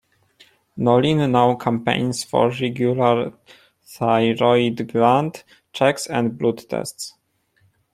Nolin now campaigns for regular thyroid gland checks and blood tests.